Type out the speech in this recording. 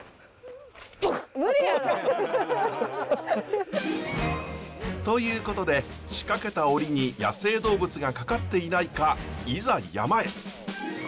ハハハ。ということで仕掛けたオリに野生動物がかかっていないかいざ山へ。